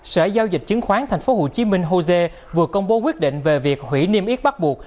sở giao dịch chứng khoán tp hcm joe vừa công bố quyết định về việc hủy niêm yết bắt buộc